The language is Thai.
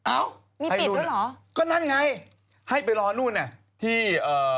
เอ้ามีปิดด้วยเหรอก็นั่นไงให้ไปรอนู่นน่ะที่เอ่อ